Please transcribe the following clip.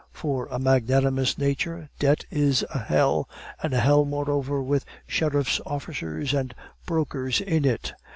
For a magnanimous nature, debt is a hell, and a hell, moreover, with sheriff's officers and brokers in it.